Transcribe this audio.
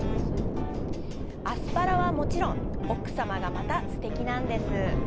アスパラはもちろん、奥様が、またすてきなんです。